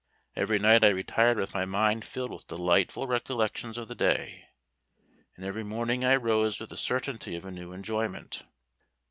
Every night I retired with my mind filled with delightful recollections of the day, and every morning I rose with the certainty of new enjoyment.